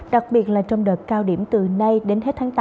đặc biệt là trong đợt cao điểm từ nay đến hết tháng tám